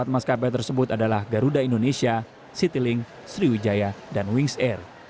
empat maskapai tersebut adalah garuda indonesia citylink sriwijaya dan wings air